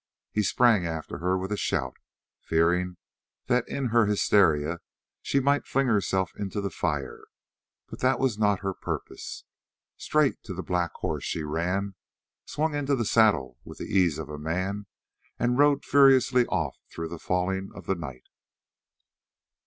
He sprang after her with a shout, fearing that in her hysteria she might fling herself into the fire, but that was not her purpose. Straight to the black horse she ran, swung into the saddle with the ease of a man, and rode furiously off through the falling of the night.